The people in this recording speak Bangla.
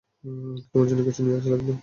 তোমার জন্য কিছু নিয়ে আসা লাগবে।